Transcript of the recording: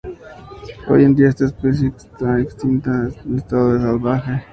Hoy en día esta especie está extinta en estado salvaje.